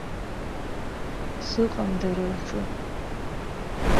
Сыҟам дара рҿы.